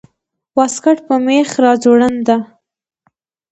واسکټ په مېخ راځوړند ده